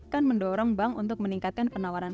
kan mendorong bank untuk meningkatkan penawaran